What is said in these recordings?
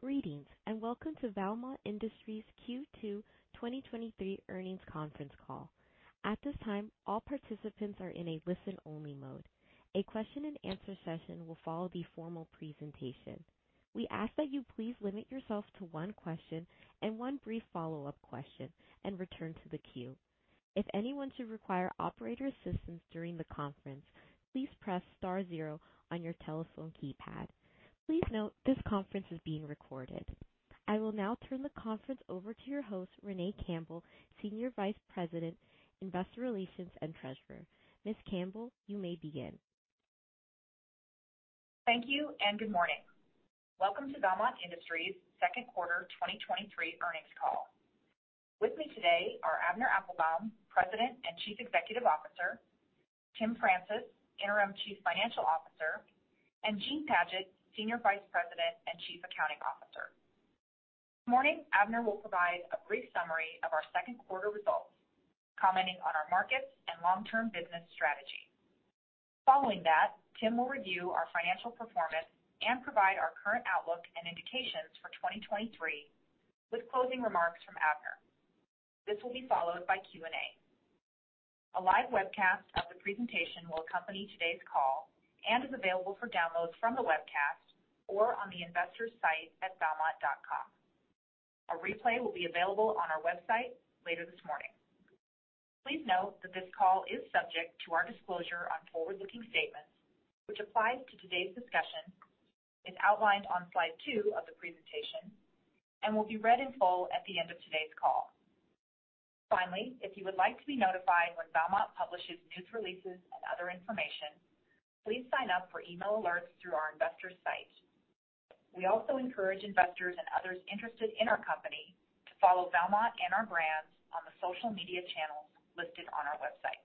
Greetings, welcome to Valmont Industries Q2 2023 Earnings Conference Call. At this time, all participants are in a listen-only mode. A question-and-answer session will follow the formal presentation. We ask that you please limit yourself to one question and one brief follow-up question and return to the queue. If anyone should require operator assistance during the conference, please press star zero on your telephone keypad. Please note, this conference is being recorded. I will now turn the conference over to your host, Renee Campbell, Senior Vice President, Investor Relations and Treasurer. Ms. Campbell, you may begin. Thank you. Good morning. Welcome to Valmont Industries Q2 2023 earnings call. With me today are Avner Applbaum, President and Chief Executive Officer, Tim Francis, Interim Chief Financial Officer, and Jean Padgett, Senior Vice President and Chief Accounting Officer. This morning, Avner will provide a brief summary of our Q2 results, commenting on our markets and long-term business strategy. Following that, Tim will review our financial performance and provide our current outlook and indications for 2023, with closing remarks from Avner. This will be followed by Q&A. A live webcast of the presentation will accompany today's call and is available for download from the webcast or on the investors site at valmont.com. A replay will be available on our website later this morning. Please note that this call is subject to our disclosure on forward-looking statements, which applies to today's discussion, is outlined on slide two of the presentation, and will be read in full at the end of today's call. Finally, if you would like to be notified when Valmont publishes news releases and other information, please sign up for email alerts through our investors site. We also encourage investors and others interested in our company to follow Valmont and our brands on the social media channels listed on our website.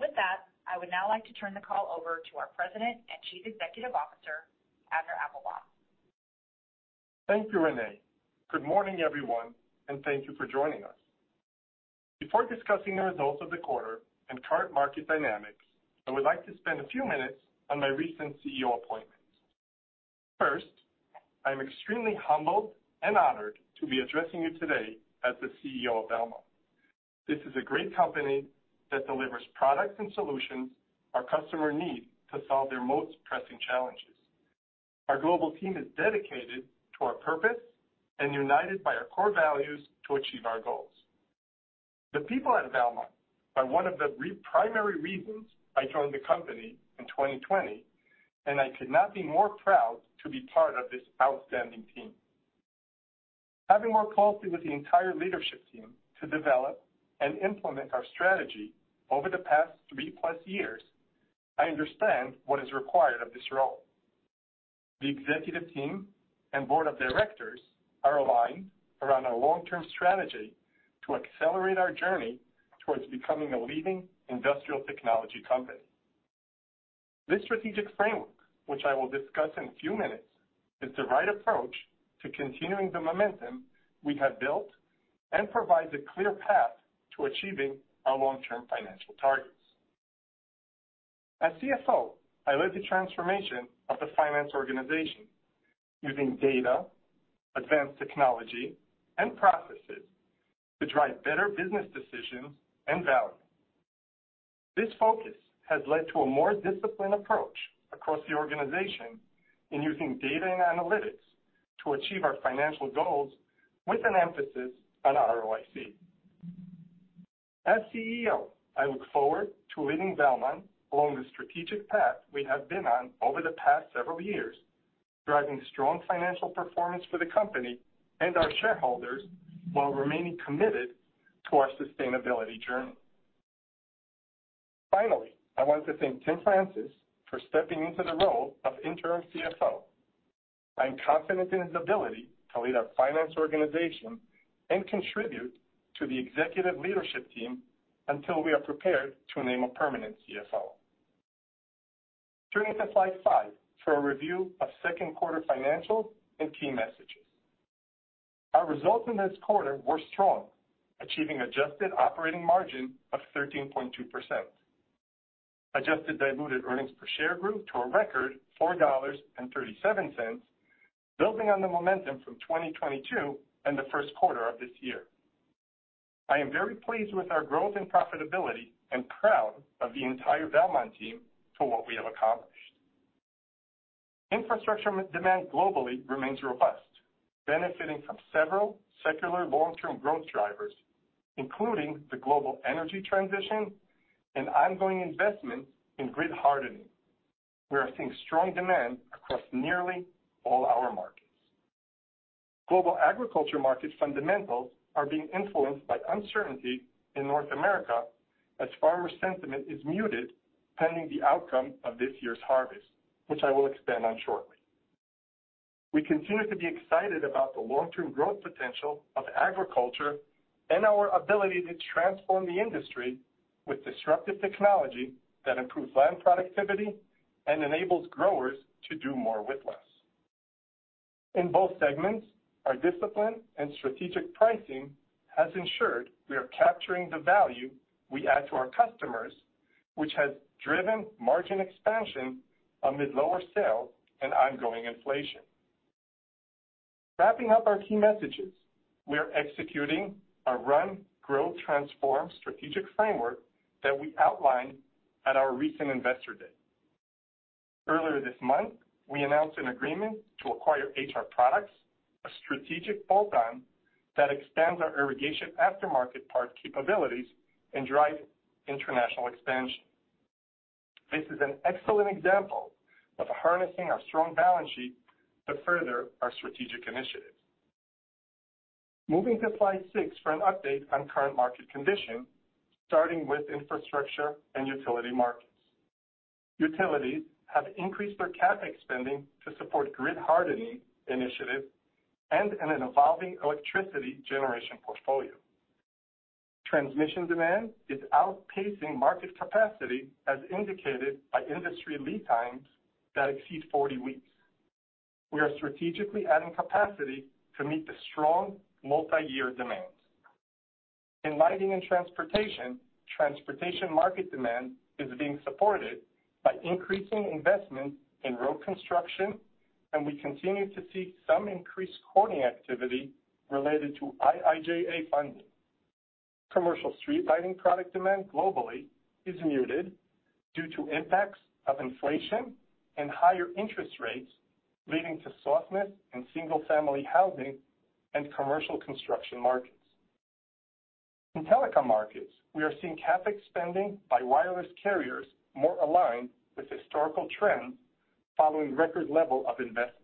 With that, I would now like to turn the call over to our President and Chief Executive Officer, Avner Applbaum. Thank you, Renee. Good morning, everyone, and thank you for joining us. Before discussing the results of the quarter and current market dynamics, I would like to spend a few minutes on my recent CEO appointment. First, I am extremely humbled and honored to be addressing you today as the CEO of Valmont. This is a great company that delivers products and solutions our customers need to solve their most pressing challenges. Our global team is dedicated to our purpose and united by our core values to achieve our goals. The people at Valmont are one of the primary reasons I joined the company in 2020, and I could not be more proud to be part of this outstanding team. Having worked closely with the entire leadership team to develop and implement our strategy over the past three plus years, I understand what is required of this role. The executive team and board of directors are aligned around our long-term strategy to accelerate our journey towards becoming a leading industrial technology company. This strategic framework, which I will discuss in a few minutes, is the right approach to continuing the momentum we have built and provides a clear path to achieving our long-term financial targets. As CFO, I led the transformation of the finance organization using data, advanced technology, and processes to drive better business decisions and value. This focus has led to a more disciplined approach across the organization in using data and analytics to achieve our financial goals with an emphasis on ROIC. As CEO, I look forward to leading Valmont along the strategic path we have been on over the past several years, driving strong financial performance for the company and our shareholders while remaining committed to our sustainability journey. Finally, I want to thank Tim Francis for stepping into the role of Interim CFO. I am confident in his ability to lead our finance organization and contribute to the executive leadership team until we are prepared to name a permanent CFO. Turning to slide five for a review of Q2 financials and key messages. Our results in this quarter were strong, achieving adjusted operating margin of 13.2%. Adjusted diluted earnings per share grew to a record $4.37, building on the momentum from 2022 and the Q1 of this year. I am very pleased with our growth and profitability and proud of the entire Valmont team for what we have accomplished. Infrastructure demand globally remains robust, benefiting from several secular long-term growth drivers, including the global energy transition and ongoing investment in grid hardening. We are seeing strong demand across nearly all our markets. Global agriculture market fundamentals are being influenced by uncertainty in North America as farmer sentiment is muted pending the outcome of this year's harvest, which I will expand on shortly. We continue to be excited about the long-term growth potential of agriculture and our ability to transform the industry with disruptive technology that improves land productivity and enables growers to do more with less. In both segments, our discipline and strategic pricing has ensured we are capturing the value we add to our customers, which has driven margin expansion amid lower sales and ongoing inflation. Wrapping up our key messages, we are executing our Run, Grow, Transform strategic framework that we outlined at our recent Investor Day. Earlier this month, we announced an agreement to acquire HR Products, a strategic bolt-on that expands our irrigation aftermarket part capabilities and drives international expansion. This is an excellent example of harnessing our strong balance sheet to further our strategic initiatives. Moving to slide six for an update on current market conditions, starting with infrastructure and utility markets. Utilities have increased their CapEx spending to support grid hardening initiatives and an evolving electricity generation portfolio. Transmission demand is outpacing market capacity, as indicated by industry lead times that exceed 40 weeks. We are strategically adding capacity to meet the strong multiyear demand. In lighting and transportation, transportation market demand is being supported by increasing investment in road construction, and we continue to see some increased coating activity related to IIJA funding. Commercial street lighting product demand globally is muted due to impacts of inflation and higher interest rates, leading to softness in single-family housing and commercial construction markets. In telecom markets, we are seeing CapEx spending by wireless carriers more aligned with historical trends following record level of investment.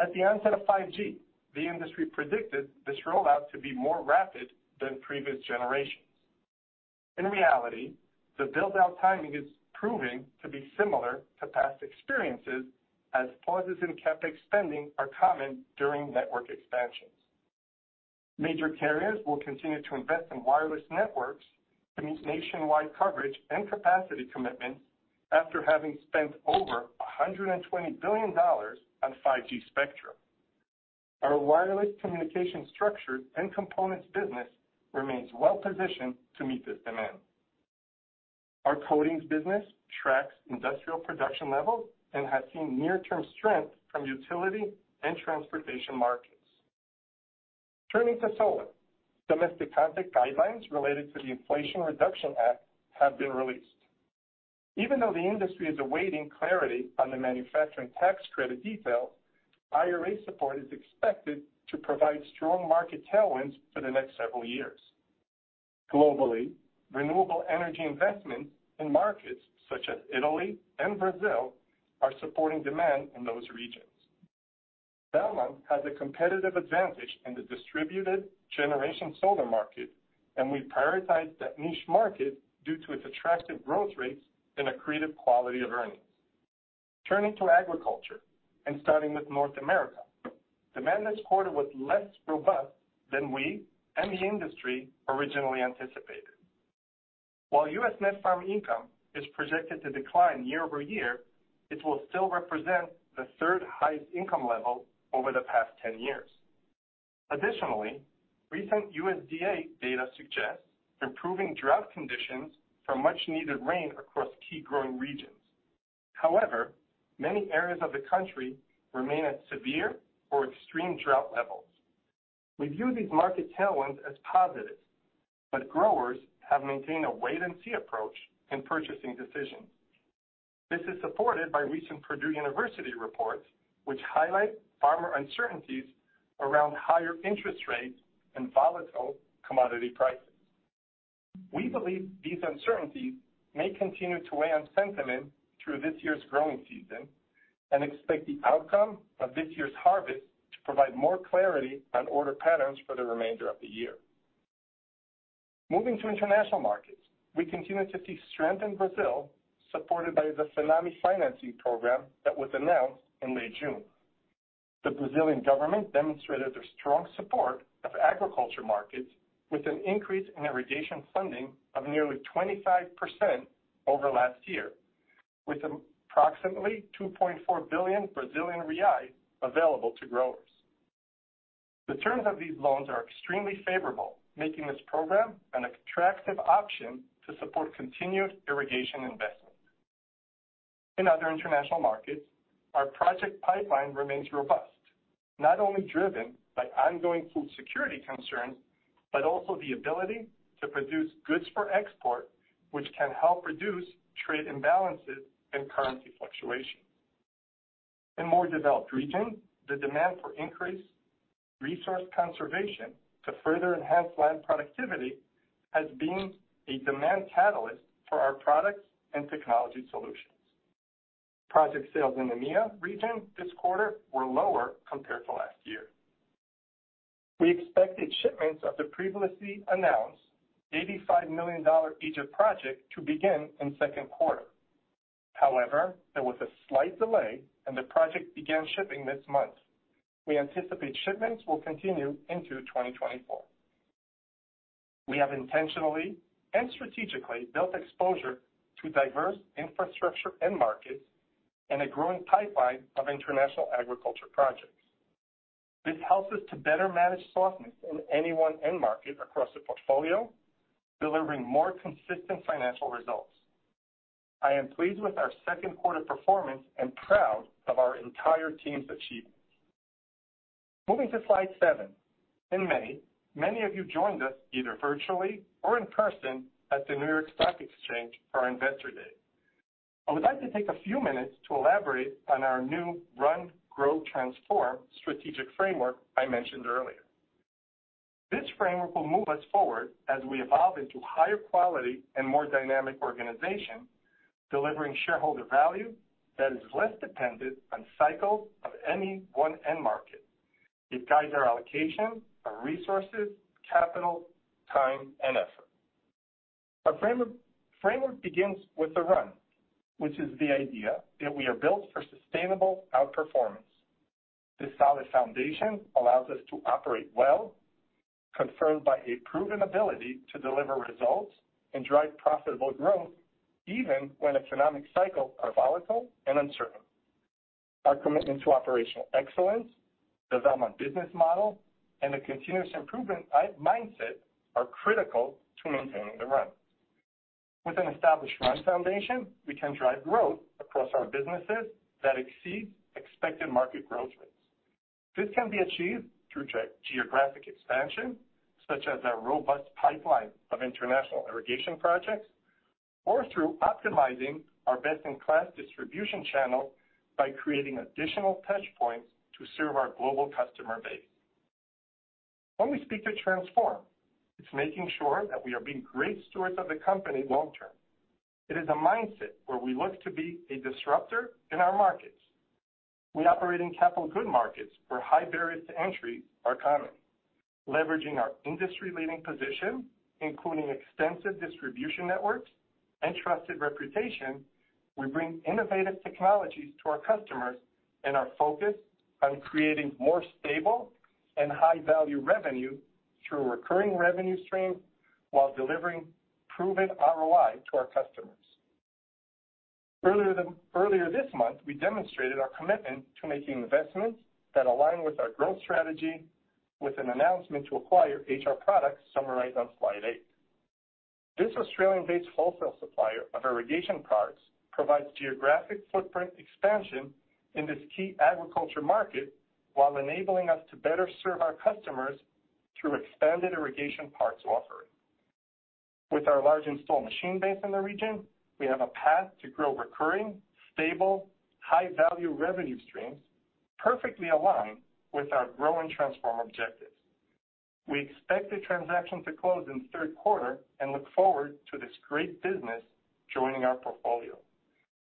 At the onset of 5G, the industry predicted this rollout to be more rapid than previous generations. In reality, the build-out timing is proving to be similar to past experiences, as pauses in CapEx spending are common during network expansions. Major carriers will continue to invest in wireless networks to meet nationwide coverage and capacity commitments after having spent over $120 billion on 5G spectrum. Our wireless communication structure and components business remains well positioned to meet this demand. Our coatings business tracks industrial production levels and has seen near-term strength from utility and transportation markets. Turning to solar. Domestic content guidelines related to the Inflation Reduction Act have been released. Even though the industry is awaiting clarity on the manufacturing tax credit details, IRA support is expected to provide strong market tailwinds for the next several years. Globally, renewable energy investments in markets such as Italy and Brazil are supporting demand in those regions. Valmont has a competitive advantage in the distributed generation solar market, and we prioritize that niche market due to its attractive growth rates and accretive quality of earnings. Turning to agriculture and starting with North America. Demand this quarter was less robust than we and the industry originally anticipated. While US net farm income is projected to decline year-over-year, it will still represent the third-highest income level over the past 10 years. Additionally, recent USDA data suggests improving drought conditions from much-needed rain across key growing regions. Many areas of the country remain at severe or extreme drought levels. We view these market tailwinds as positive, but growers have maintained a wait-and-see approach in purchasing decisions. This is supported by recent Purdue University reports, which highlight farmer uncertainties around higher interest rates and volatile commodity prices. We believe these uncertainties may continue to weigh on sentiment through this year's growing season and expect the outcome of this year's harvest to provide more clarity on order patterns for the remainder of the year. Moving to international markets. We continue to see strength in Brazil, supported by the Finame financing program that was announced in late June. The Brazilian government demonstrated their strong support of agriculture markets with an increase in irrigation funding of nearly 25% over last year, with approximately 2.4 billion Brazilian real available to growers. The terms of these loans are extremely favorable, making this program an attractive option to support continued irrigation investment. In other international markets, our project pipeline remains robust, not only driven by ongoing food security concerns, but also the ability to produce goods for export, which can help reduce trade imbalances and currency fluctuation. In more developed regions, the demand for increased resource conservation to further enhance land productivity has been a demand catalyst for our products and technology solutions. Project sales in the EMEA region this quarter were lower compared to last year. We expected shipments of the previously announced $85 million Egypt project to begin in Q2. There was a slight delay, and the project began shipping this month. We anticipate shipments will continue into 2024. We have intentionally and strategically built exposure to diverse infrastructure end markets and a growing pipeline of international agriculture projects. This helps us to better manage softness in any one end market across the portfolio, delivering more consistent financial results. I am pleased with our Q2 performance and proud of our entire team's achievements. Moving to slide seven. In May, many of you joined us either virtually or in person at the New York Stock Exchange for our Investor Day. I would like to take a few minutes to elaborate on our new Run, Grow, Transform strategic framework I mentioned earlier. This framework will move us forward as we evolve into higher quality and more dynamic organization, delivering shareholder value that is less dependent on cycles of any one end market. It guides our allocation of resources, capital, time, and effort. Our framework begins with the Run, which is the idea that we are built for sustainable outperformance. This solid foundation allows us to operate well, confirmed by a proven ability to deliver results and drive profitable growth, even when economic cycles are volatile and uncertain. Our commitment to operational excellence, the Valmont Business Model, and a continuous improvement mindset are critical to maintaining the Run. With an established Run foundation, we can drive growth across our businesses that exceeds expected market growth rates. This can be achieved through geographic expansion, such as our robust pipeline of international irrigation projects, or through optimizing our best-in-class distribution channel by creating additional touch points to serve our global customer base. When we speak to Transform, it's making sure that we are being great stewards of the company long term. It is a mindset where we look to be a disruptor in our markets. We operate in capital good markets, where high barriers to entry are common. Leveraging our industry-leading position, including extensive distribution networks and trusted reputation, we bring innovative technologies to our customers and are focused on creating more stable and high-value revenue through recurring revenue streams, while delivering proven ROI to our customers. Earlier this month, we demonstrated our commitment to making investments that align with our growth strategy with an announcement to acquire HR Products, summarized on slide eight. This Australian-based wholesale supplier of irrigation products provides geographic footprint expansion in this key agriculture market, while enabling us to better serve our customers through expanded irrigation parts offering. With our large installed machine base in the region, we have a path to grow recurring, stable, high-value revenue streams, perfectly aligned with our Grow and Transform objectives. We expect the transaction to close in the Q3 and look forward to this great business joining our portfolio.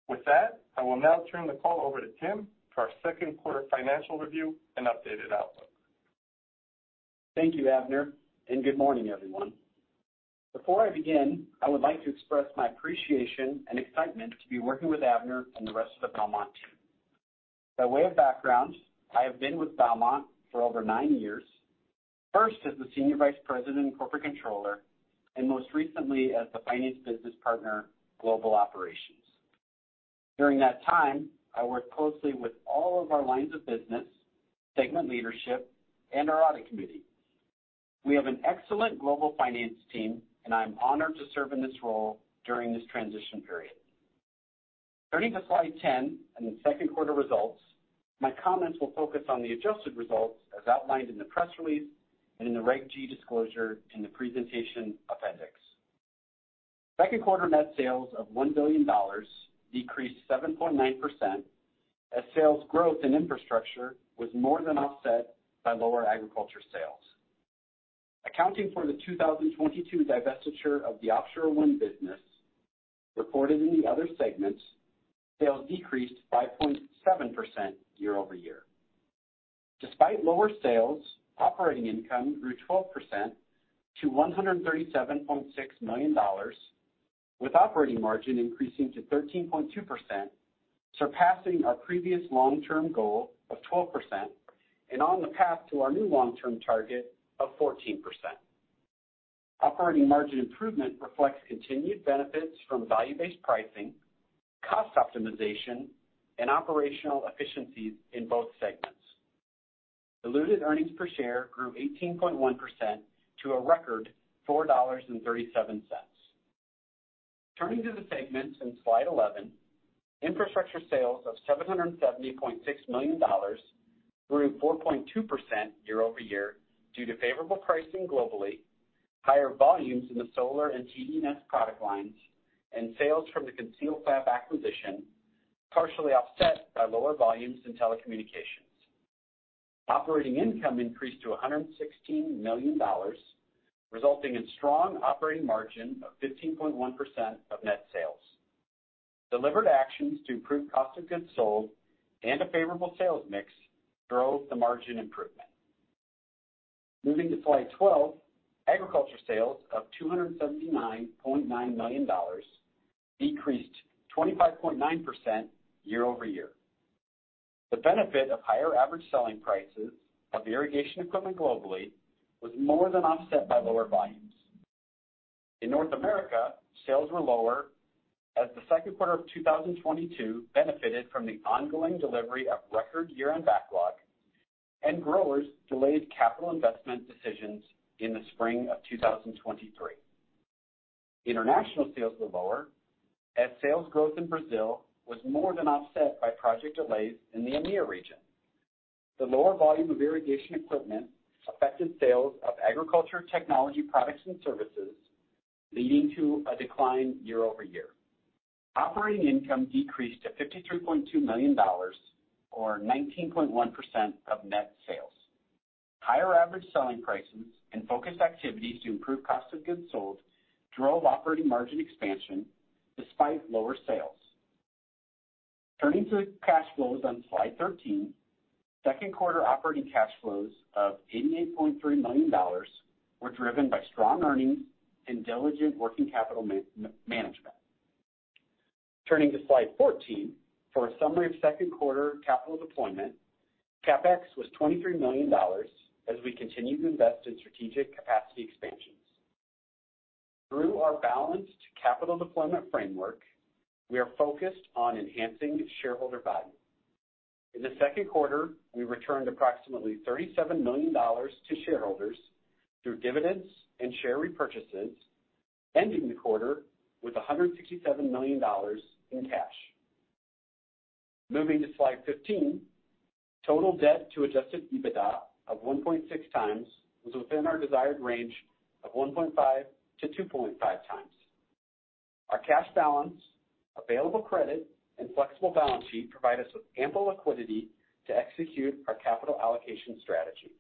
With that, I will now turn the call over to Tim for our Q2 financial review and updated outlook. Thank you, Avner, and good morning, everyone. Before I begin, I would like to express my appreciation and excitement to be working with Avner and the rest of the Valmont team. By way of background, I have been with Valmont for over nine years, first as the senior vice president and corporate controller, and most recently as the finance business partner, global operations. During that time, I worked closely with all of our lines of business, segment leadership, and our audit committee. We have an excellent global finance team, and I am honored to serve in this role during this transition period. Turning to slide 10 and the Q2 results, my comments will focus on the adjusted results as outlined in the press release and in the Reg G disclosure in the presentation appendix. Q2 net sales of $1 billion decreased 7.9%, as sales growth in infrastructure was more than offset by lower agriculture sales. Accounting for the 2022 divestiture of the Offshore Wind business, reported in the other segments, sales decreased by 0.7% year-over-year. Despite lower sales, operating income grew 12% to $137.6 million, with operating margin increasing to 13.2%, surpassing our previous long-term goal of 12%, and on the path to our new long-term target of 14%. Operating margin improvement reflects continued benefits from value-based pricing, cost optimization, and operational efficiencies in both segments. Diluted earnings per share grew 18.1% to a record $4.37. Turning to the segments in slide 11, infrastructure sales of $770.6 million grew 4.2% year-over-year due to favorable pricing globally, higher volumes in the solar and TD&S product lines, and sales from the ConcealFab acquisition, partially offset by lower volumes in telecommunications. Operating income increased to $116 million, resulting in strong operating margin of 15.1% of net sales. Delivered actions to improve cost of goods sold and a favorable sales mix drove the margin improvement. Moving to slide 12, agriculture sales of $279.9 million decreased 25.9% year-over-year. The benefit of higher average selling prices of the irrigation equipment globally was more than offset by lower volumes. In North America, sales were lower as the Q2 of 2022 benefited from the ongoing delivery of record year-end backlog, and growers delayed capital investment decisions in the spring of 2023. International sales were lower, as sales growth in Brazil was more than offset by project delays in the EMEA region. The lower volume of irrigation equipment affected sales of agriculture technology products and services, leading to a decline year-over-year. Operating income decreased to $53.2 million, or 19.1% of net sales. Higher average selling prices and focused activities to improve cost of goods sold drove operating margin expansion despite lower sales. Turning to cash flows on slide 13. Q2 operating cash flows of $88.3 million were driven by strong earnings and diligent working capital management. Turning to slide 14, for a summary of Q2 capital deployment, CapEx was $23 million as we continue to invest in strategic capacity expansions. Through our balanced capital deployment framework, we are focused on enhancing shareholder value. In the Q2, we returned approximately $37 million to shareholders through dividends and share repurchases, ending the quarter with $167 million in cash. Moving to slide 15. Total debt to adjusted EBITDA of 1.6x was within our desired range of 1.5x-2.5x. Our cash balance, available credit, and flexible balance sheet provide us with ample liquidity to execute our capital allocation strategy.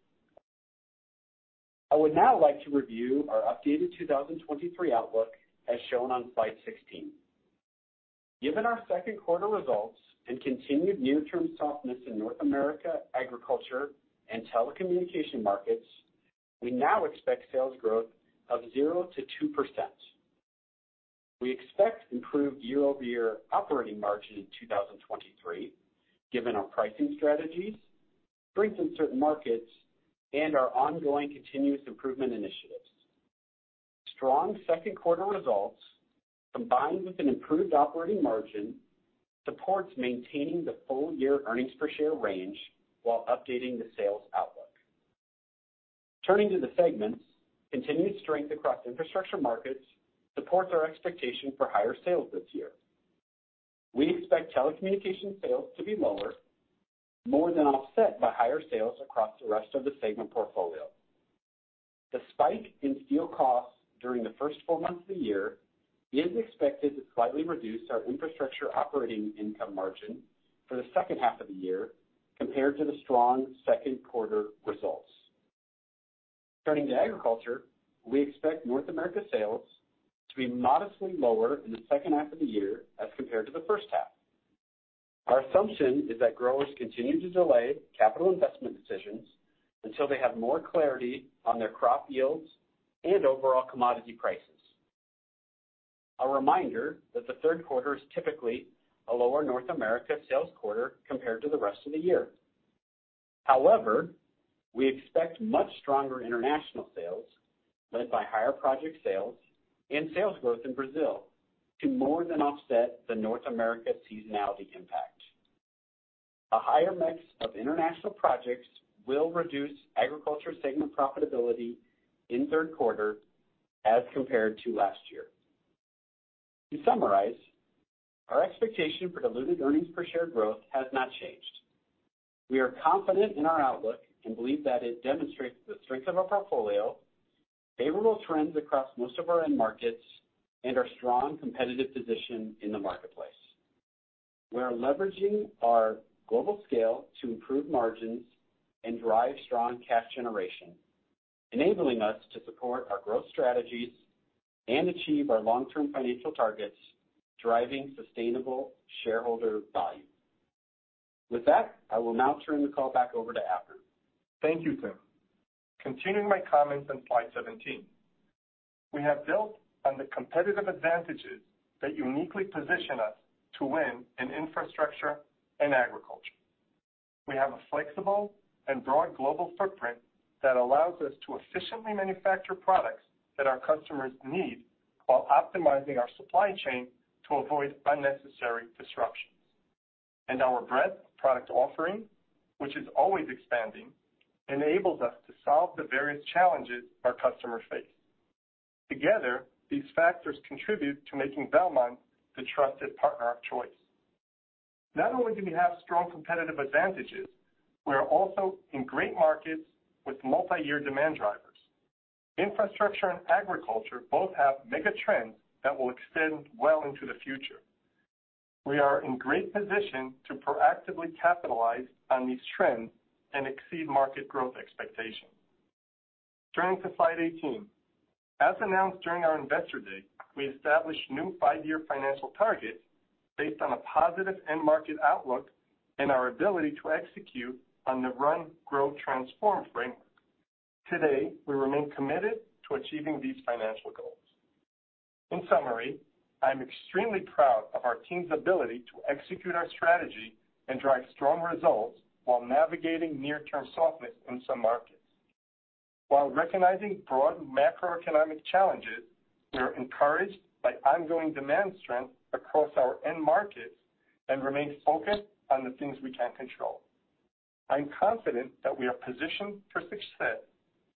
I would now like to review our updated 2023 outlook, as shown on slide 16. Given our Q2 results and continued near-term softness in North America, agriculture, and telecommunication markets, we now expect sales growth of 0%-2%. We expect improved year-over-year operating margin in 2023, given our pricing strategies, strength in certain markets, and our ongoing continuous improvement initiatives. Strong Q2 results, combined with an improved operating margin, supports maintaining the full year earnings per share range while updating the sales outlook. Turning to the segments. Continued strength across infrastructure markets supports our expectation for higher sales this year. We expect telecommunication sales to be lower, more than offset by higher sales across the rest of the segment portfolio. The spike in steel costs during the first four months of the year is expected to slightly reduce our infrastructure operating income margin for the H2 of the year compared to the strong Q2 results. Turning to agriculture. We expect North America sales to be modestly lower in the H2 of the year as compared to the H1. Our assumption is that growers continue to delay capital investment decisions until they have more clarity on their crop yields and overall commodity prices. A reminder that the Q3 is typically a lower North America sales quarter compared to the rest of the year. We expect much stronger international sales, led by higher project sales and sales growth in Brazil, to more than offset the North America seasonality impact. A higher mix of international projects will reduce agriculture segment profitability in Q3 as compared to last year. To summarize, our expectation for diluted earnings per share growth has not changed. We are confident in our outlook and believe that it demonstrates the strength of our portfolio, favorable trends across most of our end markets, and our strong competitive position in the marketplace. We are leveraging our global scale to improve margins and drive strong cash generation, enabling us to support our growth strategies and achieve our long-term financial targets, driving sustainable shareholder value. With that, I will now turn the call back over to Avner. Thank you, Tim. Continuing my comments on slide 17. We have built on the competitive advantages that uniquely position us to win in infrastructure and agriculture. We have a flexible and broad global footprint that allows us to efficiently manufacture products that our customers need while optimizing our supply chain to avoid unnecessary disruptions. Our breadth of product offering, which is always expanding, enables us to solve the various challenges our customers face. Together, these factors contribute to making Valmont the trusted partner of choice. Not only do we have strong competitive advantages, we are also in great markets with multi-year demand drivers. Infrastructure and agriculture both have mega trends that will extend well into the future. We are in great position to proactively capitalize on these trends and exceed market growth expectations. Turning to slide 18. As announced during our Investor Day, we established new five-year financial targets based on a positive end market outlook and our ability to execute on the Run, Grow, Transform framework. Today, we remain committed to achieving these financial goals. In summary, I'm extremely proud of our team's ability to execute our strategy and drive strong results while navigating near-term softness in some markets. While recognizing broad macroeconomic challenges, we are encouraged by ongoing demand strength across our end markets and remain focused on the things we can control. I'm confident that we are positioned for success,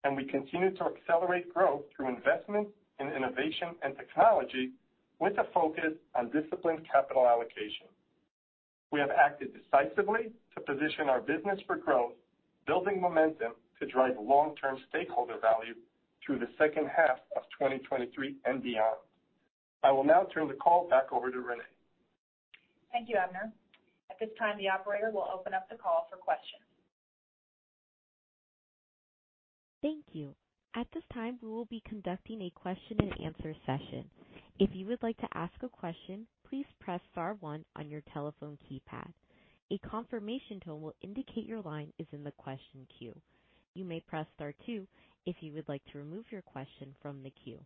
and we continue to accelerate growth through investment in innovation and technology with a focus on disciplined capital allocation. We have acted decisively to position our business for growth, building momentum to drive long-term stakeholder value through the H2 of 2023 and beyond. I will now turn the call back over to Renee. Thank you, Avner. At this time, the operator will open up the call for questions. Thank you. At this time, we will be conducting a question-and-answer session. If you would like to ask a question, please press star one on your telephone keypad. A confirmation tone will indicate your line is in the question queue. You may press star two if you would like to remove your question from the queue.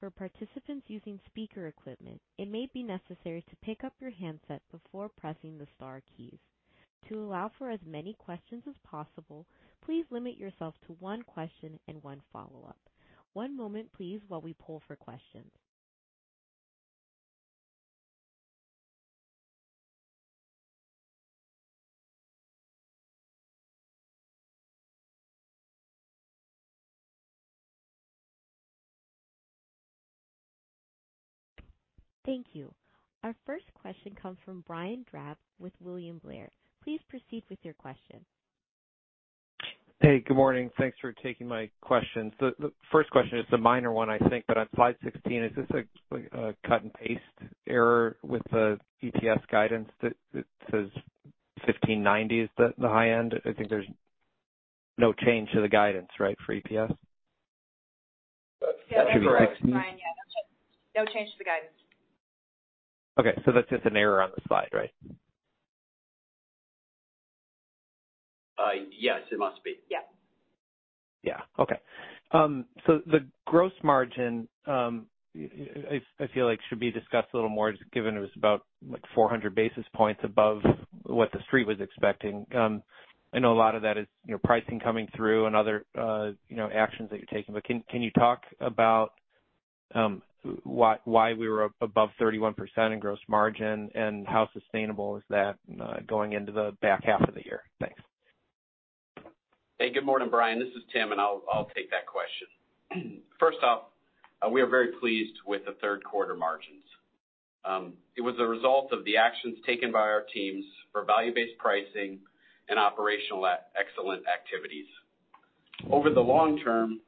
For participants using speaker equipment, it may be necessary to pick up your handset before pressing the star keys. To allow for as many questions as possible, please limit yourself to one question and one follow-up. One moment, please, while we pull for questions. Thank you. Our first question comes from Brian Drab with William Blair. Please proceed with your question. Hey, good morning. Thanks for taking my questions. The first question is a minor one, I think, but on slide 16, is this a cut and paste error with the EPS guidance that says $15.90 is the high end? I think there's no change to the guidance, right, for EPS? That's correct. Yeah. Correct, Brian. Yeah, no change, no change to the guidance. Okay, that's just an error on the slide, right? Yes, it must be. Yeah. Yeah. Okay. The gross margin, I feel like should be discussed a little more, given it was about 400 basis points above what the street was expecting. I know a lot of that is, you know, pricing coming through and other, you know, actions that you're taking. Can you talk about why we were above 31% in gross margin, and how sustainable is that going into the back half of the year? Thanks. Hey, good morning, Brian. This is Tim, and I'll take that question. First off, we are very pleased with the Q3 margins. It was a result of the actions taken by our teams for value-based pricing and operational excellent activities. Over the long term,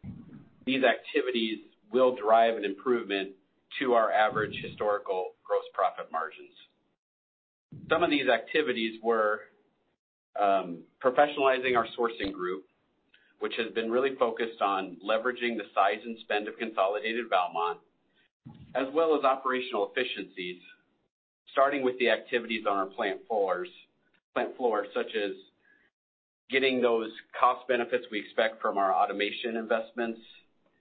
these activities will drive an improvement to our average historical gross profit margins. Some of these activities were professionalizing our sourcing group, which has been really focused on leveraging the size and spend of consolidated Valmont, as well as operational efficiencies, starting with the activities on our plant floors, such as getting those cost benefits we expect from our automation investments,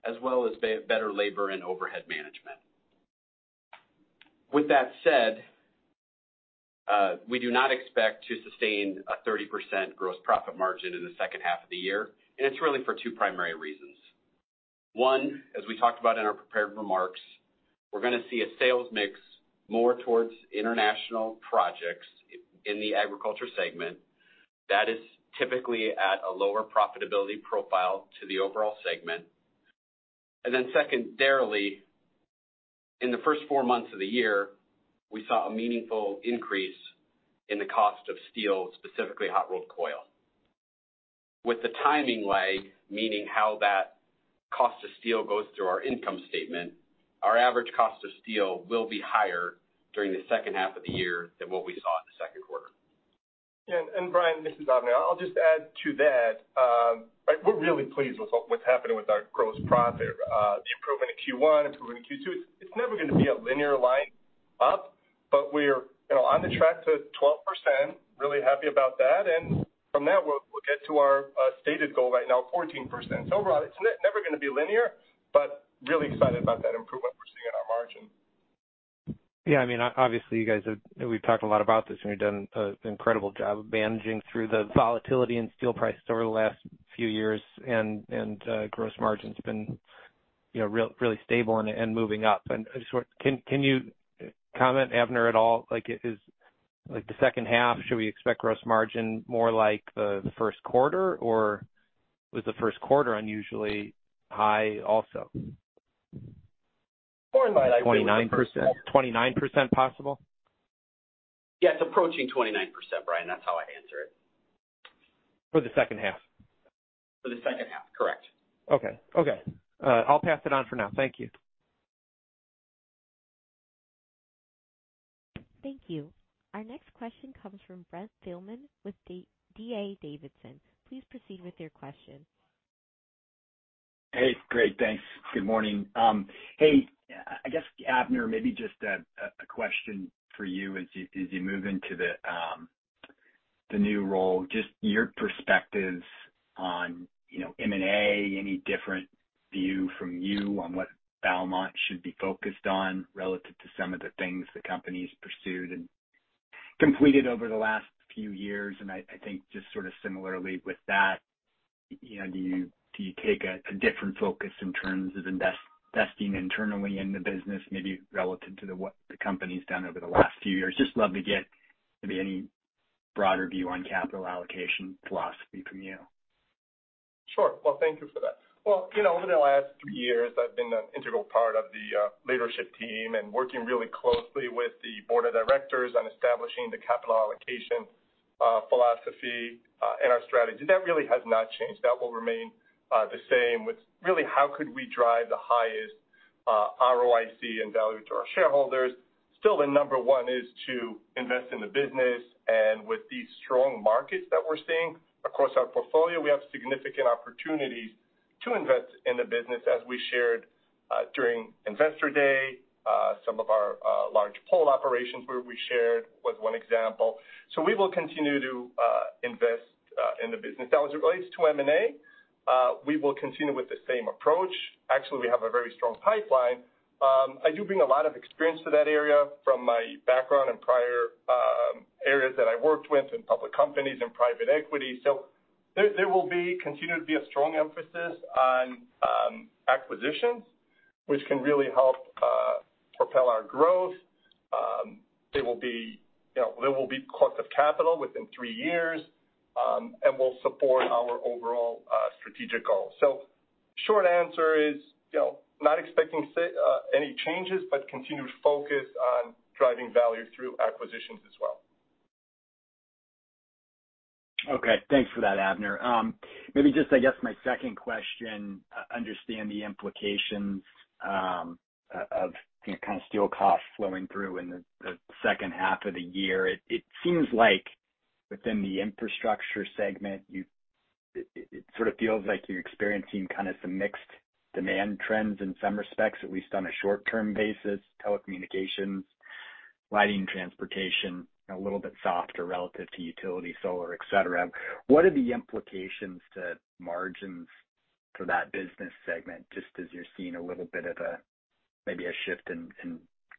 as well as better labor and overhead management. With that said, we do not expect to sustain a 30% gross profit margin in the H2 of the year. It's really for two primary reasons. One, as we talked about in our prepared remarks, we're going to see a sales mix more towards international projects in the agriculture segment. That is typically at a lower profitability profile to the overall segment. Secondarily, in the first four months of the year, we saw a meaningful increase in the cost of steel, specifically hot-rolled coil. With the timing lag, meaning how that cost of steel goes through our income statement, our average cost of steel will be higher during the H2 of the year than what we saw in the Q2. Yeah, Brian, this is Avner. I'll just add to that. Like, we're really pleased with what's happening with our gross profit, the improvement in Q1, improvement in Q2. It's never going to be a linear line up, but we're, you know, on the track to 12%. Really happy about that. From that, we'll get to our stated goal right now, 14%. Overall, it's never going to be linear, but really excited about that improvement we're seeing in our margin. Yeah, I mean, obviously, you guys have, we've talked a lot about this, and you've done an incredible job of managing through the volatility in steel prices over the last few years, and gross margin's been, you know, really stable and moving up. Can you comment, Avner, at all? Like, is, like, the H2, should we expect gross margin more like the Q1, or was the Q1 unusually high also? More in line with. 29%. 29% possible? Yeah, it's approaching 29%, Brian. That's how I'd answer it. For the H2? For the H2, correct. Okay. Okay, I'll pass it on for now. Thank you. Thank you. Our next question comes from Brent Thielman with D.A. Davidson. Please proceed with your question. Hey, great. Thanks. Good morning. Hey, I guess, Avner, maybe just a question for you as you move into the new role, just your perspectives on, you know, M&A, any different view from you on what Valmont should be focused on relative to some of the things the company's pursued and completed over the last few years? I, I think just sort of similarly with that, you know, do you, do you take a different focus in terms of investing internally in the business, maybe relative to what the company's done over the last few years? Just love to get maybe any broader view on capital allocation philosophy from you. Sure. Well, thank you for that. Well, you know, over the last three years, I've been an integral part of the leadership team and working really closely with the board of directors on establishing the capital allocation philosophy and our strategy. That really has not changed. That will remain the same, with really, how could we drive the highest ROIC and value to our shareholders? Still, the number one is to invest in the business, and with the strong markets that we're seeing across our portfolio, we have significant opportunities to invest in the business, as we shared during Investor Day. Some of our large pole operations where we shared was one example. We will continue to invest in the business. Now, as it relates to M&A, we will continue with the same approach. Actually, we have a very strong pipeline. I do bring a lot of experience to that area from my background and prior areas that I worked with in public companies and private equity. There will continue to be a strong emphasis on acquisitions, which can really help propel our growth. There will be, you know, there will be cost of capital within three years and will support our overall strategic goals. Short answer is, you know, not expecting any changes, but continued focus on driving value through acquisitions as well. Okay, thanks for that, Avner. Maybe just, I guess, my second question, understand the implications of, you know, kind of steel costs flowing through in the H2 of the year. It seems like within the infrastructure segment, it sort of feels like you're experiencing kind of some mixed demand trends in some respects, at least on a short-term basis, telecommunications, lighting, transportation, a little bit softer relative to utility, solar, et cetera. What are the implications to margins for that business segment, just as you're seeing a little bit of a, maybe a shift in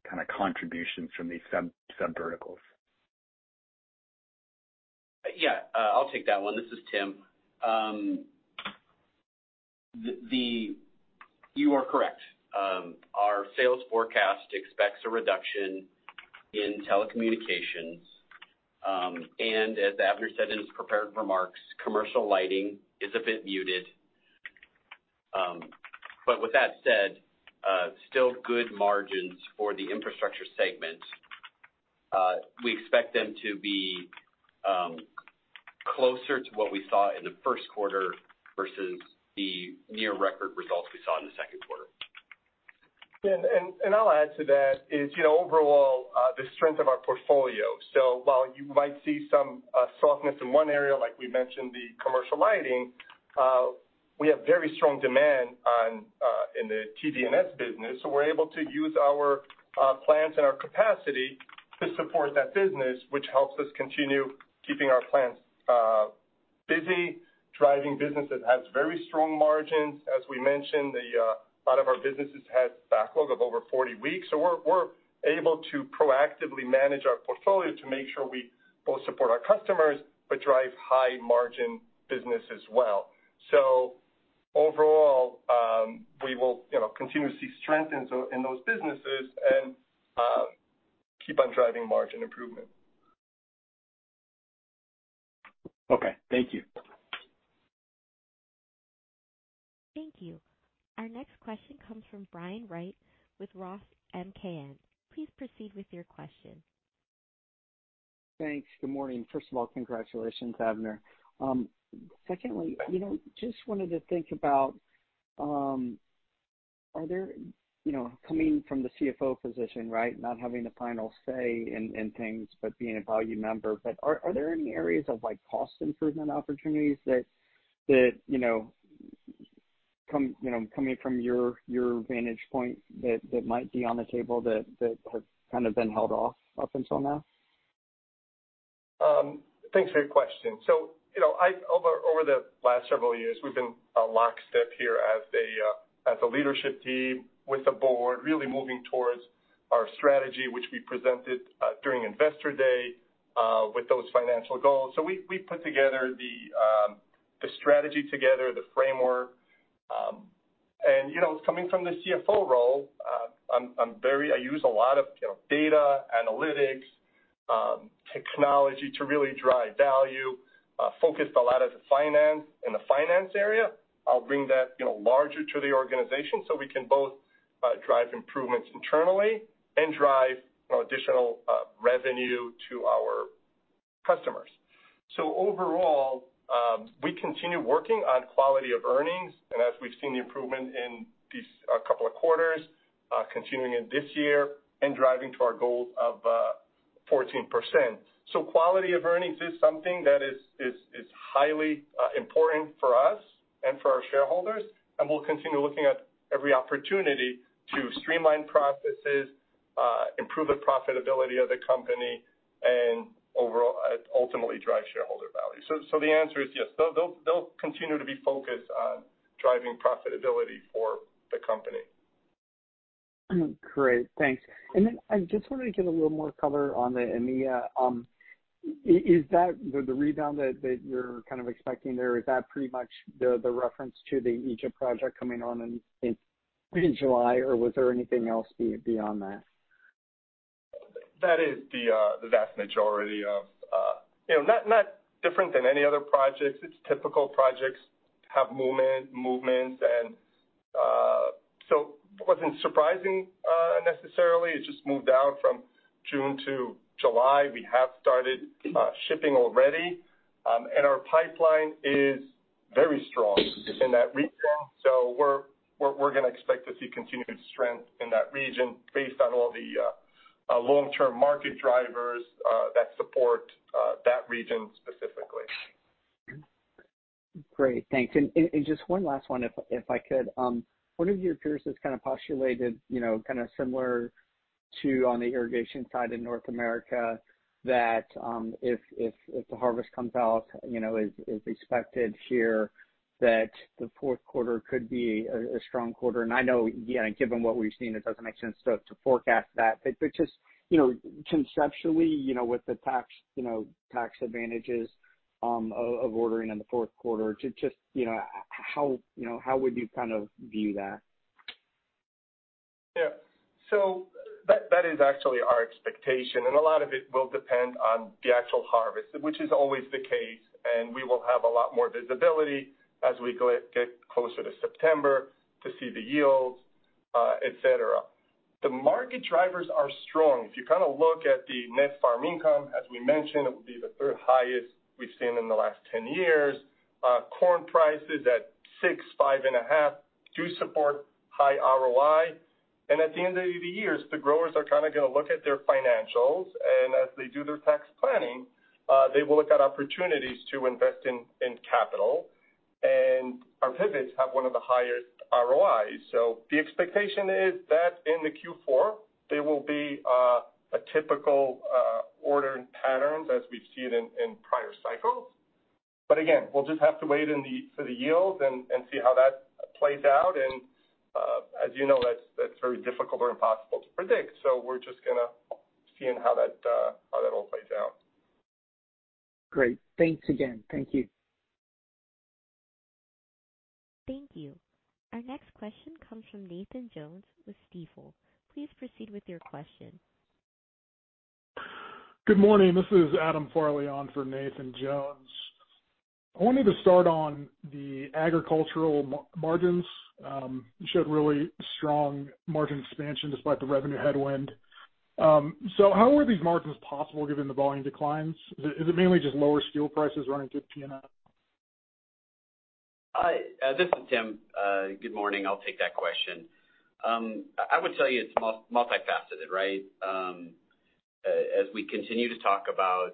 kind of contributions from these sub verticals? Yeah, I'll take that one. This is Tim. You are correct. Our sales forecast expects a reduction in telecommunications, and as Avner said in his prepared remarks, commercial lighting is a bit muted. With that said, still good margins for the infrastructure segment. We expect them to be closer to what we saw in the Q1 versus the near record results we saw in the Q2. I'll add to that is, you know, overall, the strength of our portfolio. While you might see some softness in one area, like we mentioned, the commercial lighting, we have very strong demand on in the TD&S business. We're able to use our plants and our capacity to support that business, which helps us continue keeping our plants busy, driving business that has very strong margins. As we mentioned, the a lot of our businesses has backlog of over 40 weeks, we're able to proactively manage our portfolio to make sure we both support our customers, but drive high-margin business as well. Overall, we will, you know, continue to see strength in those businesses and keep on driving margin improvement. Okay, thank you. Thank you. Our next question comes from Brian Wright with ROTH MKM. Please proceed with your question. Thanks. Good morning. First of all, congratulations, Avner. Secondly, you know, just wanted to think about, are there, you know, coming from the CFO position, right, not having the final say in things, but being a valued member, but are there any areas of, like, cost improvement opportunities that, you know, coming from your vantage point, that might be on the table that have kind of been held off up until now? Thanks for your question. You know, over the last several years, we've been lockstep here as a leadership team with the board, really moving towards our strategy, which we presented during Investor Day, with those financial goals. We put together the strategy together, the framework, and, you know, coming from the CFO role, I use a lot of, you know, data, analytics, technology to really drive value, focused a lot in the finance area. I'll bring that, you know, larger to the organization so we can both drive improvements internally and drive, you know, additional revenue to our customers. Overall, we continue working on quality of earnings, and as we've seen the improvement in these couple of quarters, continuing in this year and driving to our goals of 14%. Quality of earnings is something that is highly important for us, our shareholders, and we'll continue looking at every opportunity to streamline processes, improve the profitability of the company and overall, ultimately, drive shareholder value. The answer is yes. They'll continue to be focused on driving profitability for the company. Great, thanks. I just wanted to get a little more color on the EMEA. Is that the rebound that you're kind of expecting there, is that pretty much the reference to the Egypt project coming on in July, or was there anything else beyond that? That is the vast majority of, you know, not different than any other projects. It's typical. Projects have movements, and so it wasn't surprising necessarily. It just moved down from June to July. We have started shipping already, and our pipeline is very strong in that region. So we're going to expect to see continued strength in that region based on all the long-term market drivers that support that region specifically. Great, thanks. Just one last one, if I could. One of your peers has kind of postulated, you know, kind of similar to on the irrigation side in North America, that, if the harvest comes out, you know, as expected here, that the fourth quarter could be a strong quarter. I know, yeah, given what we've seen, it doesn't make sense to forecast that. Just, you know, conceptually, you know, with the tax, you know, tax advantages of ordering in the fourth quarter, to just, you know, how would you kind of view that? Yeah. That is actually our expectation, and a lot of it will depend on the actual harvest, which is always the case, and we will have a lot more visibility as we get closer to September to see the yields, et cetera. The market drivers are strong. If you kind of look at the net farm income, as we mentioned, it will be the third highest we've seen in the last 10 years. Corn prices at $6, five and a half do support high ROI. At the end of the years, the growers are kind of going to look at their financials, and as they do their tax planning, they will look at opportunities to invest in capital, and our pivots have one of the highest ROIs. The expectation is that in the Q4, they will be a typical ordering patterns as we've seen in prior cycles. Again, we'll just have to wait for the yields and see how that plays out. As you know, that's very difficult or impossible to predict. So, we're just going to see how that all plays out. Great. Thanks again. Thank you. Thank you. Our next question comes from Nathan Jones with Stifel. Please proceed with your question. Good morning. This is Adam Farley on for Nathan Jones. I wanted to start on the agricultural margins. You showed really strong margin expansion despite the revenue headwind. How were these margins possible, given the volume declines? Is it mainly just lower steel prices running through PMF? Hi, this is Tim. Good morning. I'll take that question. I would tell you it's multifaceted, right? As we continue to talk about,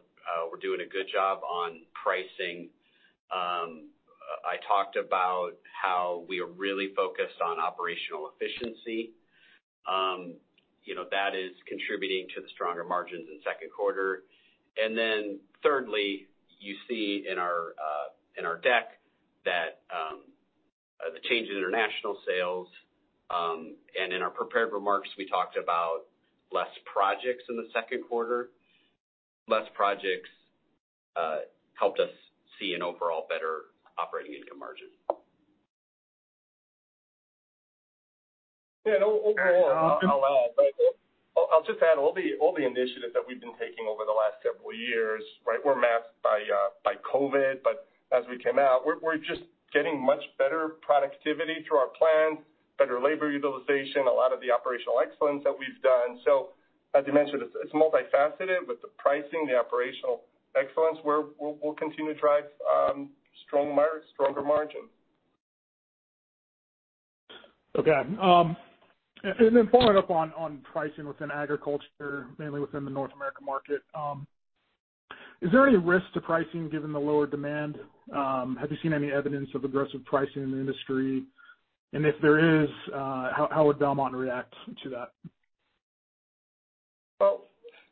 we're doing a good job on pricing. I talked about how we are really focused on operational efficiency. You know, that is contributing to the stronger margins in Q2. Thirdly, you see in our, in our deck that the change in international sales, and in our prepared remarks, we talked about less projects in the Q2. Less projects helped us see an overall better operating income margin. Overall, I'll add, but I'll just add all the initiatives that we've been taking over the last couple of years, right, were masked by COVID. As we came out, we're just getting much better productivity through our plan, better labor utilization, a lot of the operational excellence that we've done. As you mentioned, it's multifaceted, with the pricing, the operational excellence, we'll continue to drive stronger margins. Okay. Then following up on pricing within agriculture, mainly within the North America market, is there any risk to pricing given the lower demand? Have you seen any evidence of aggressive pricing in the industry? If there is, how would Valmont react to that? Well,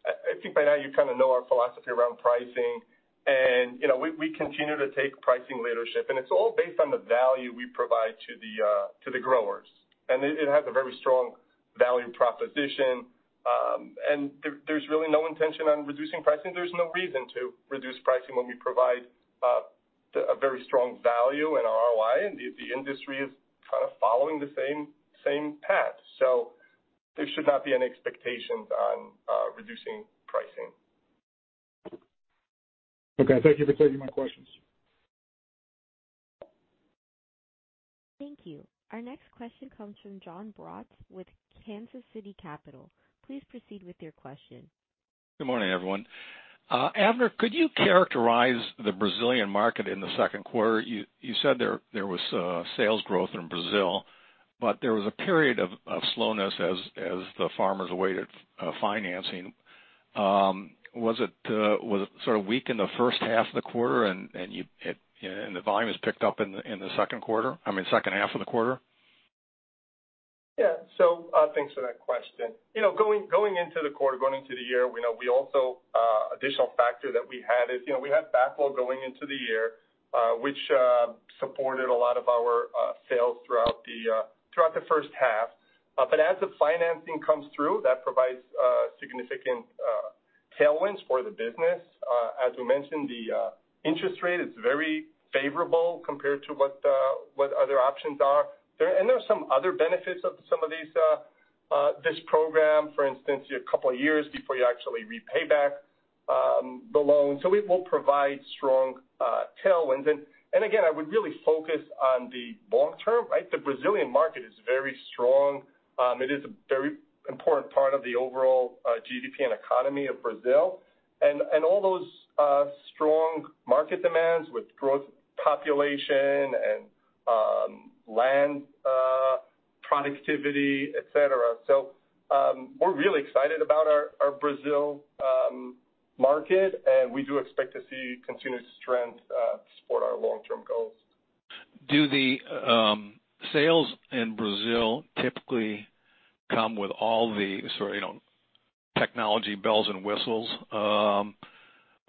I think by now you kind of know our philosophy around pricing and, you know, we continue to take pricing leadership, and it's all based on the value we provide to the growers, and it has a very strong value proposition. There's really no intention on reducing pricing. There's no reason to reduce pricing when we provide a very strong value and ROI, and the industry is kind of following the same path. There should not be any expectations on reducing pricing. Okay. Thank you for taking my questions. Thank you. Our next question comes from Jonathan Braatz with Kansas City Capital Associates. Please proceed with your question. Good morning, everyone. Avner, could you characterize the Brazilian market in the 2nd quarter? You said there was sales growth in Brazil. There was a period of slowness as the farmers awaited financing. Was it sort of weak in the H1 of the quarter and the volume has picked up in the Q2, I mean, H2 of the quarter? Yeah. Thanks for that question. You know, going into the quarter, going into the year, we know we also additional factor that we had is, you know, we had backlog going into the year, which supported a lot of our sales throughout the H1. But as the financing comes through, that provides significant tailwinds for the business. As we mentioned, the interest rate is very favorable compared to what other options are. There are some other benefits of some of these this program. For instance, a couple of years before you actually repay back the loan, it will provide strong tailwinds. Again, I would really focus on the long term, right? The Brazilian market is very strong. It is a very important part of the overall GDP and economy of Brazil, and all those strong market demands with growth, population, and land productivity, et cetera. We're really excited about our Brazil market, and we do expect to see continued strength to support our long-term goals. Do the sales in Brazil typically come with all the sort of, you know, technology bells and whistles, or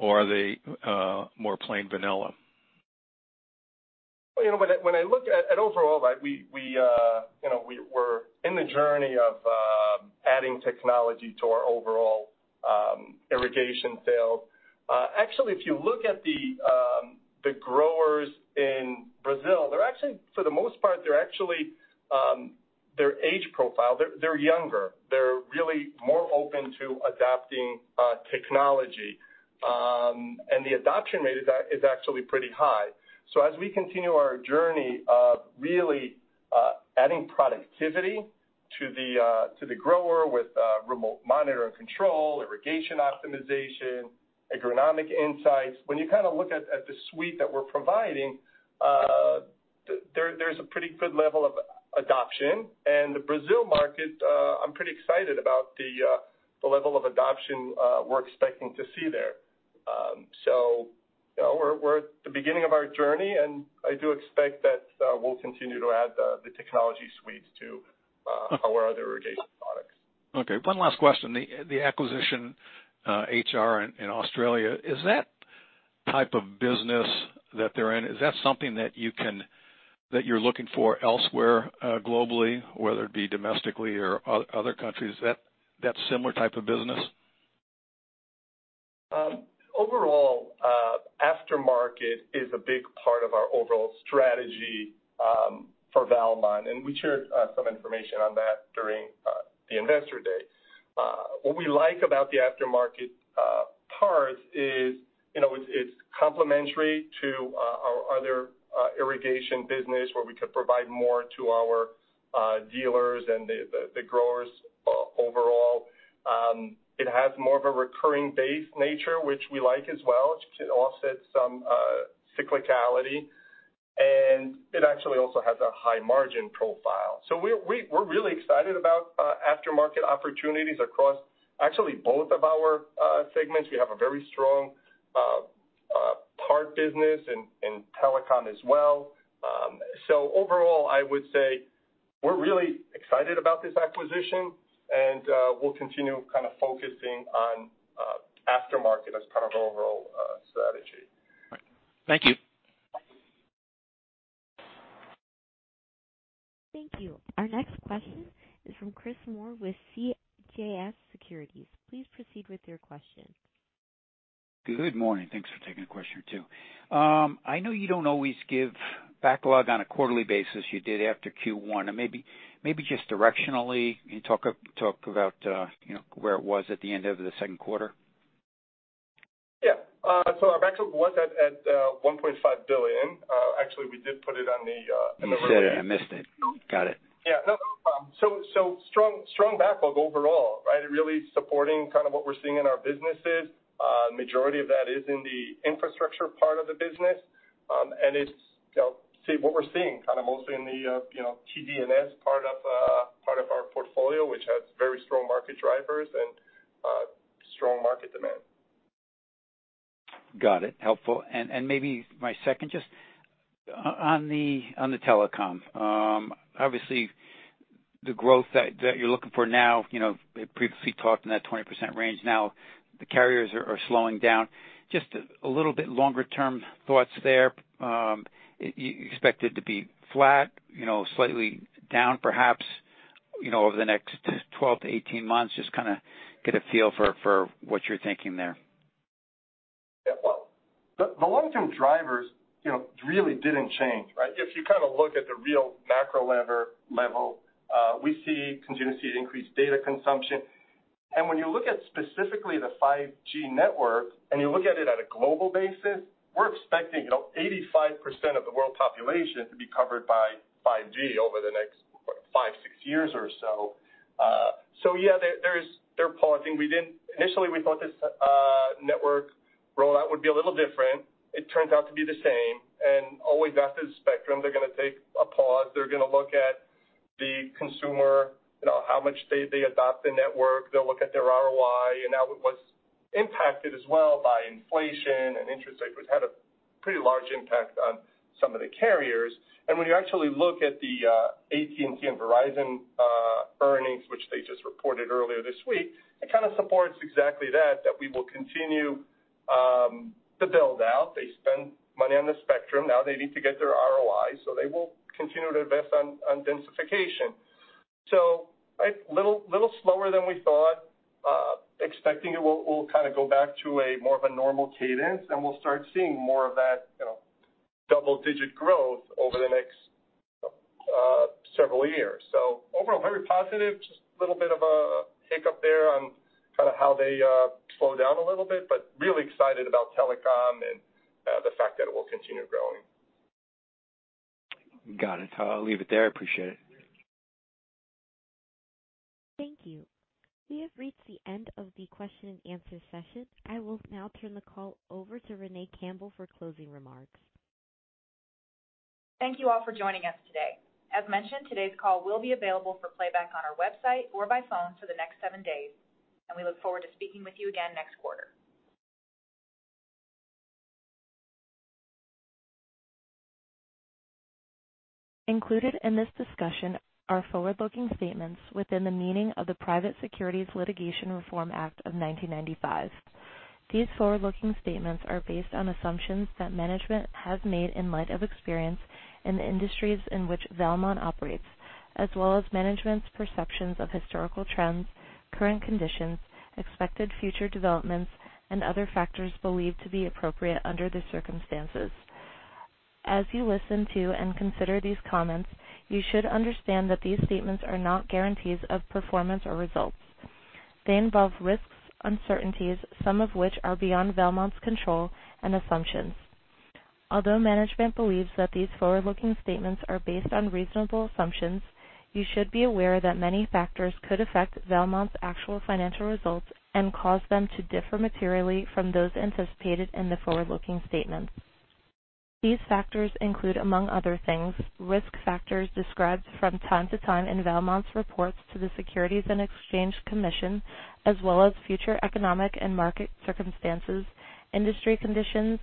are they more plain vanilla? Well, you know, when I look at overall, right, we, you know, we're in the journey of adding technology to our overall irrigation sales. If you look at the growers in Brazil, they're actually, for the most part, they're actually, their age profile, they're younger. They're really more open to adopting technology, and the adoption rate is actually pretty high. As we continue our journey of really adding productivity to the grower with remote monitor and control, irrigation optimization, agronomic insights, when you kind of look at the suite that we're providing, there's a pretty good level of adoption. The Brazil market, I'm pretty excited about the level of adoption we're expecting to see there. You know, we're at the beginning of our journey, and I do expect that we'll continue to add the technology suite to our other irrigation products. Okay, one last question. The acquisition HR in Australia, is that type of business that they're in, is that something that you're looking for elsewhere, globally, whether it be domestically or other countries, that similar type of business? Overall, aftermarket is a big part of our overall strategy for Valmont, and we shared some information on that during the Investor Day. What we like about the aftermarket parts is, you know, it's complementary to our other irrigation business, where we could provide more to our dealers and the growers overall. It has more of a recurring base nature, which we like as well, to offset some cyclicality, and it actually also has a high margin profile. We're really excited about aftermarket opportunities across actually both of our segments. We have a very strong part business in telecom as well. Overall, I would say we're really excited about this acquisition, and we'll continue kind of focusing on aftermarket as part of our overall strategy. Thank you. Thank you. Our next question is from Christopher Moore with CJS Securities. Please proceed with your question. Good morning. Thanks for taking the question too. I know you don't always give backlog on a quarterly basis. You did after Q1, and maybe just directionally, can you talk about, you know, where it was at the end of the Q2? Yeah. Our backlog was at $1.5 billion. Actually, we did put it on the. You said it. I missed it. Got it. Yeah. No, no problem. Strong backlog overall, right? It really supporting kind of what we're seeing in our businesses. Majority of that is in the infrastructure part of the business. It's, you know, see what we're seeing, kind of mostly in the, you know, TD&S part of our portfolio, which has very strong market drivers and strong market demand. Got it. Helpful. Maybe my second, just on the, on the telecom. Obviously, the growth that you're looking for now, you know, previously talked in that 20% range. Now, the carriers are slowing down. Just a little bit longer-term thoughts there. You expect it to be flat, you know, slightly down, perhaps, you know, over the next 12 to 18 months? Just kind of get a feel for what you're thinking there. Yeah. Well, the long-term drivers, you know, really didn't change, right? If you kind of look at the real macro level, we see continuously increased data consumption. When you look at specifically the 5G network, and you look at it at a global basis, we're expecting, you know, 85% of the world population to be covered by 5G over the next, what, five, six years or so. Yeah, there is. They're pausing. Initially, we thought this network rollout would be a little different. It turns out to be the same, all investors spectrum, they're going to take a pause. They're going to look at the consumer, you know, how much they adopt the network. They'll look at their ROI. That was impacted as well by inflation and interest rates, which had a pretty large impact on some of the carriers. When you actually look at the AT&T and Verizon earnings, which they just reported earlier this week, it kinda supports exactly that, that we will continue the build-out. They spend money on the spectrum. Now they need to get their ROI, so they will continue to invest on densification. A little slower than we thought, expecting it kinda go back to a more of a normal cadence, and we'll start seeing more of that, you know, double-digit growth over the next several years. Overall, very positive. Just a little bit of a hiccup there on kind of how they slow down a little bit, but really excited about telecom and the fact that it will continue growing. Got it. I'll leave it there. I appreciate it. Thank you. We have reached the end of the question and answer session. I will now turn the call over to Renee Campbell for closing remarks. Thank you all for joining us today. As mentioned, today's call will be available for playback on our website or by phone for the next seven days. We look forward to speaking with you again next quarter. Included in this discussion are forward-looking statements within the meaning of the Private Securities Litigation Reform Act of 1995. These forward-looking statements are based on assumptions that management has made in light of experience in the industries in which Valmont operates, as well as management's perceptions of historical trends, current conditions, expected future developments, and other factors believed to be appropriate under the circumstances. As you listen to and consider these comments, you should understand that these statements are not guarantees of performance or results. They involve risks, uncertainties, some of which are beyond Valmont's control and assumptions. Although management believes that these forward-looking statements are based on reasonable assumptions, you should be aware that many factors could affect Valmont's actual financial results and cause them to differ materially from those anticipated in the forward-looking statements. These factors include, among other things, risk factors described from time to time in Valmont's reports to the Securities and Exchange Commission, as well as future economic and market circumstances, industry conditions,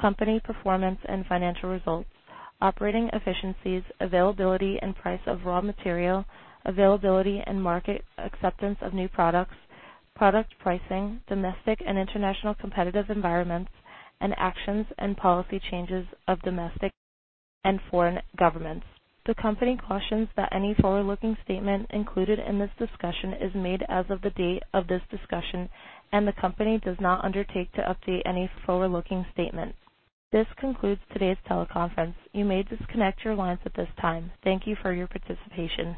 company performance and financial results, operating efficiencies, availability and price of raw material, availability and market acceptance of new products, product pricing, domestic and international competitive environments, and actions and policy changes of domestic and foreign governments. The company cautions that any forward-looking statement included in this discussion is made as of the date of this discussion, and the company does not undertake to update any forward-looking statement. This concludes today's teleconference. You may disconnect your lines at this time. Thank you for your participation.